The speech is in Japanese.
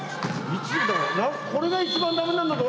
これが一番だめなんだぞ。